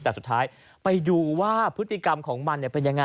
แต่สุดท้ายไปดูว่าพฤติกรรมของมันเป็นยังไง